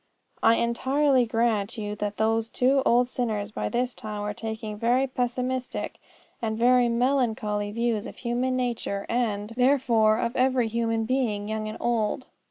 I entirely grant you that those two old sinners by this time were taking very pessimistic and very melancholy views of human nature, and, therefore, of every human being, young and old.